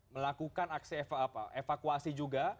melakukan aksi evakuasi juga